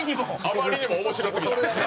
あまりにも面白すぎた。